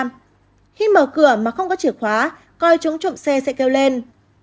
khi mở cửa mà không có chìa khóa coi chúng trộm xe sẽ kêu lên